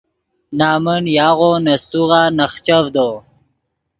نمن یاغو نے سیتوغا نخچڤدو